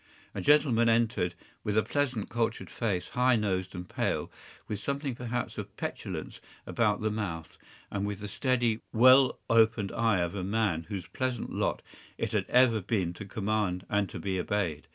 A gentleman entered, with a pleasant, cultured face, high nosed and pale, with something perhaps of petulance about the mouth, and with the steady, well opened eye of a man whose pleasant lot it had ever been to command and to be obeyed.